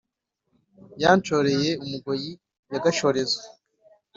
yanshoreye-umugoyi ya gashorezo